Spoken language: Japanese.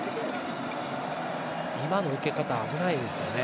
今の受け方、危ないですよね